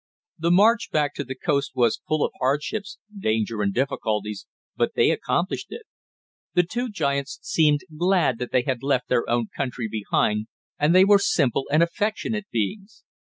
The march back to the coast was full of hardships, danger and difficulties, but they accomplished it. The two giants seemed glad that they had left their own country behind and they were simple and affectionate beings.